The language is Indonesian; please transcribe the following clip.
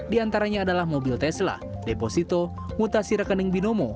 di antaranya adalah mobil tesla deposito mutasi rekening binomo